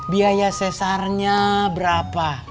biaya sesarnya berapa